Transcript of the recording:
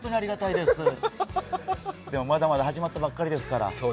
でも、まだまだ始まったばっかりですから。